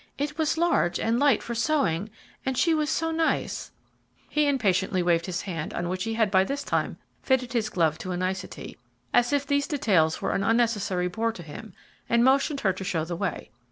"It was large and light for sewing, and she was so nice " He impatiently waved his hand on which he had by this time fitted his glove to a nicety, as if these details were an unnecessary bore to him, and motioned her to show the way.